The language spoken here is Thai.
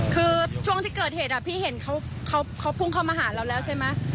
คือช่วงที่เกิดเหตุพี่เห็นเขาพุ่งเข้ามาหาเราแล้วใช่ไหม